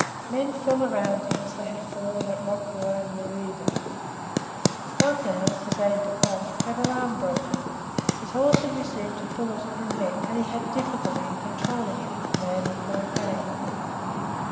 Men fell around him as they had fallen at Rocroy or at Lerida. Fontrailles, his aide de camp, had an arm broken; his horse had received a bullet in his neck and he had difficulty in controlling him, maddened by pain.